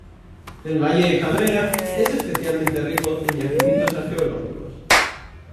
El valle de Cabrera es especialmente rico en yacimientos arqueológicos.